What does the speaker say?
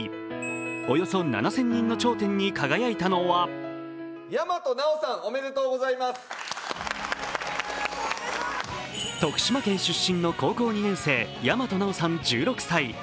およそ７０００人の頂点に輝いたのは徳島県出身の高校２年生大和奈央さん１６歳。